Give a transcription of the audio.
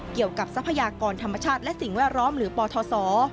ทรัพยากรธรรมชาติและสิ่งแวดล้อมหรือปทศ